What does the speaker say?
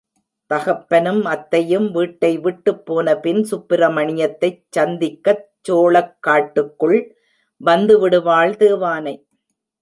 தகப்பனும் அத்தையும் வீட்டை விட்டுப் போன பின் சுப்பிரமணியத்தைச் சந்திக்கச் சோளக் காட்டுக்குள் வந்து விடுவாள் தேவானை!